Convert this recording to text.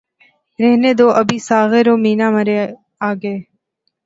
رہنے دو ابھی ساغر و مینا مرے آگے